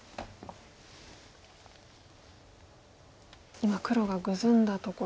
今黒がグズんだところです。